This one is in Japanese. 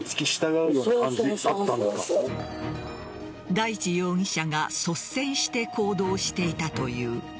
大地容疑者が率先して行動していたという。